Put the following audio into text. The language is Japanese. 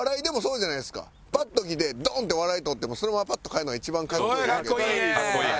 パッと来てドンッて笑い取ってそのままパッと帰るのが一番かっこいい。